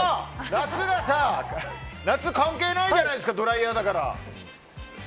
夏関係ないじゃないですかドライヤーだから。